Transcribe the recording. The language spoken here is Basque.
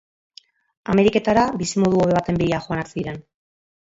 Ameriketara, bizimodu hobe baten bila joanak ziren.